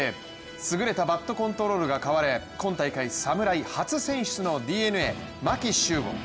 優れたバットコントロールが買われ今大会、侍初選出のＤｅＮＡ・牧秀悟。